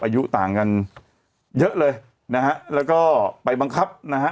อายุต่างกันเยอะเลยนะฮะแล้วก็ไปบังคับนะฮะ